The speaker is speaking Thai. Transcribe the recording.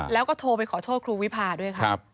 แล้วก็โทรไปขอโทษครูวิพาด้วยค่ะ